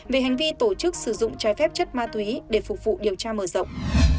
về hành vi tổ chức sử dụng trái phép chất ma túy để phục vụ điều tra mở rộng